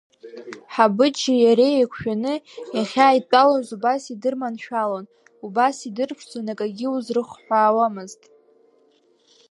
Ҳабыџьи иареи еиқәшәаны иахьааидтәалоз убас идырманшәалон, убас идырԥшӡон, акагьы узрыхҳәаауамызт.